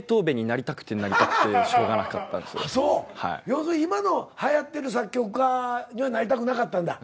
要するに今のはやってる作曲家にはなりたくなかったんだ？